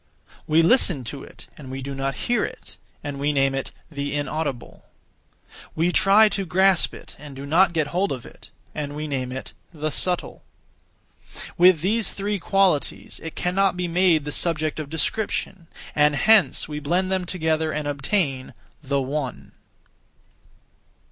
We listen to it, and we do not hear it, and we name it 'the Inaudible.' We try to grasp it, and do not get hold of it, and we name it 'the Subtle.' With these three qualities, it cannot be made the subject of description; and hence we blend them together and obtain The One.